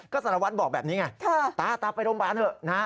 ก็สารวัตรบอกแบบนี้ไงตาตาไปโรงพยาบาลเถอะนะ